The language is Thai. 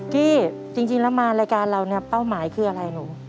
กี้จริงแล้วมารายการเราเนี่ยเป้าหมายคืออะไรหนู